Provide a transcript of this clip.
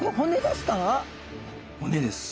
骨ですか？